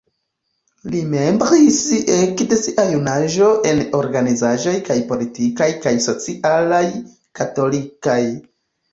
Li membris ekde sia junaĝo en organizoj kaj politikaj kaj socialaj katolikaj.